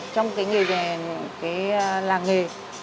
trong cái nghề này là nghề